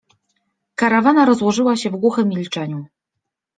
Karawana rozłożyła się w głuchym milczeniu.